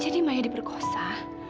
jadi maya diperkosa